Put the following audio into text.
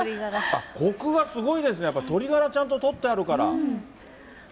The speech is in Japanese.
こくがすごいですね、やっぱり鶏がらちゃんととってあるから。